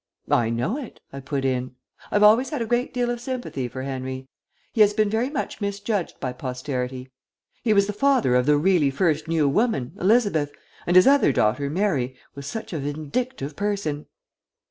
"I know it," I put in. "I've always had a great deal of sympathy for Henry. He has been very much misjudged by posterity. He was the father of the really first new woman, Elizabeth, and his other daughter, Mary, was such a vindictive person."